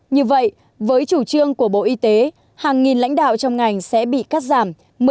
như vậy với chủ trương của bộ y tế hàng nghìn lãnh đạo trong ngành sẽ bị cắt giảm